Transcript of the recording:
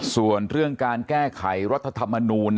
ส่วนเรื่องการแก้ไขรัฐธรรมนูล